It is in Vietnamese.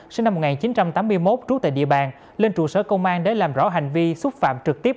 sinh năm một nghìn chín trăm tám mươi một trú tại địa bàn lên trụ sở công an để làm rõ hành vi xúc phạm trực tiếp